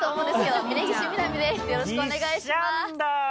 よろしくお願いします。